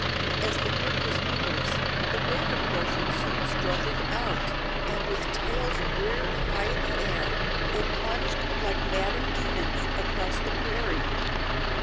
As the herd was numerous, the greater portion soon struggled out, and, with tails reared high in the air, they plunged, like maddened demons, across the prairie.